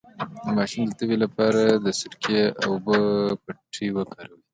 د ماشوم د تبې لپاره د سرکې او اوبو پټۍ وکاروئ